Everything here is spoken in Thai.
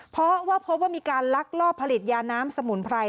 เพราะว่าพบว่ามีการลักลอบผลิตยาน้ำสมุนไพร